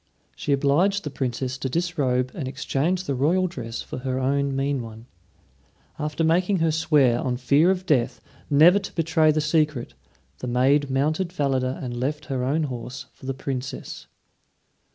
She obliged the Princess to disrobe and exchange the royal dress for her own mean one. After making her swear, on fear of death, never to betray the secret, the maid mounted Falada and left her own horse for the Princess.